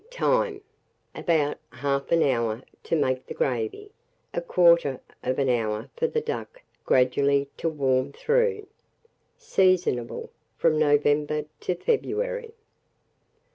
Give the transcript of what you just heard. Time. About 1/2 hour to make the gravy; 1/4 hour for the duck gradually to warm through. Seasonable from November to February.